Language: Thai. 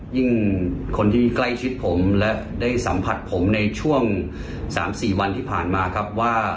คนที่ใกล้ชิดผมและได้สัมผัสผมในช่วง๓๔วันที่ผ่านมาครับว่า